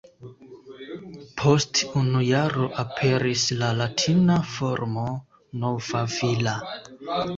Post unu jaro aperis la latina formo ""Nova Villa"".